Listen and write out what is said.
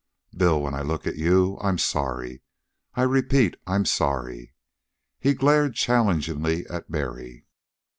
Bill, when I look at you, I'm sorry. I repeat, I'm sorry." He glared challengingly at Mary.